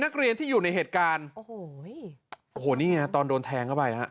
คุณธรรมดีครับ